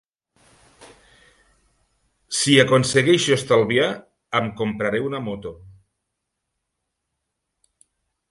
Si aconsegueixo estalviar, em compraré una moto.